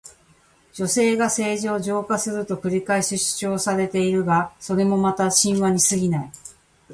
女性が政治を浄化すると繰り返し主張されているが、それもまた神話にすぎない。